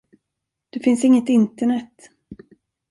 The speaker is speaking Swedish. Det finns inget internet.